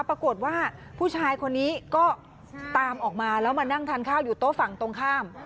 ปรากฏว่าผู้ชายคนนี้ก็ตามออกมาแล้วมานั่งทานข้าวอยู่โต๊ะฝั่งตรงข้าม